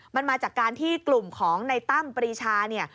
มันมาจากการที่กลุ่มของในตั้มปรีชาเนี่ย